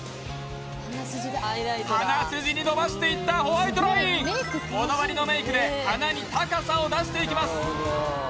鼻筋にのばしていったホワイトラインこだわりのメイクで鼻に高さを出していきます